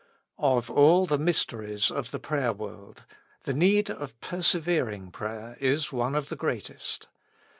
OF all the mysteries of the prayer world, the need of persevering prayer is one of the greatest.